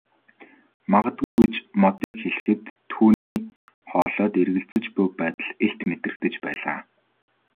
Магадгүй гэж Модыг хэлэхэд түүний хоолойд эргэлзэж буй байдал илт мэдрэгдэж байлаа.